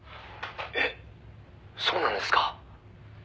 「えっそうなんですか？」